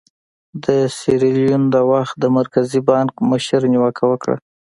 د سیریلیون د وخت د مرکزي بانک مشر نیوکه وکړه.